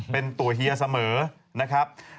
เป็นตัวเฮียเสมอนะครับ